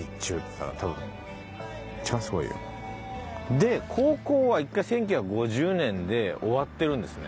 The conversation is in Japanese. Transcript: で高校は一回１９５０年で終わってるんですね。